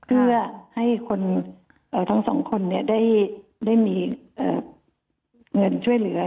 เพื่อให้คนทั้งสองคนได้มีเงินช่วยเหลือ